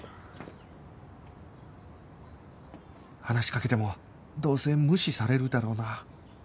話しかけてもどうせ無視されるだろうな